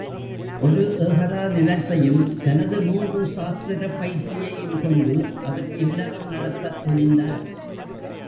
ஒரு ஏகரா நிலத்தையும், தனது மூன்று சாஸ்திரப் பயிற்சியையும் கொண்டு, அவர் இல்லறம் நடத்தத் துணிந்தார்.